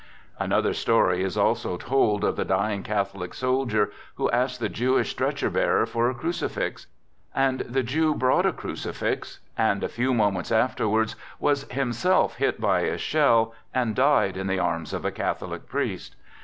, Another story is also told of the dying Catholic soldier who asked the Jewish stretcher bearer for a crucifix ; and the Jew brought a crucifix, and a few moments afterwards was himself hit by a shell, and died in the arms of a Catholic priest.